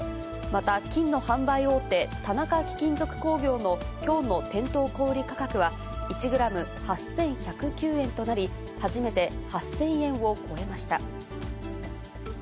また、金の販売大手、田中貴金属工業のきょうの店頭小売り価格は、１グラム８１０９円となり、初めて８０００円を超えました。